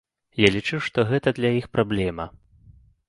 Я лічу, што гэта для іх праблема.